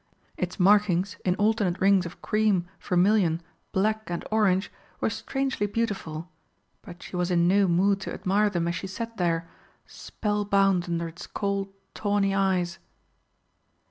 Its markings, in alternate rings of cream, vermilion, black and orange, were strangely beautiful, but she was in no mood to admire them as she sat there spell bound under its cold tawny eyes.